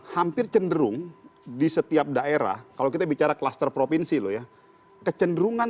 hampir cenderung di setiap daerah kalau kita bicara kluster provinsi loh ya kecenderungan